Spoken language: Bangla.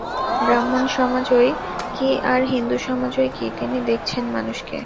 ব্রাহ্মসমাজই কি আর হিন্দুসমাজই কি, তিনি দেখছেন মানুষকে।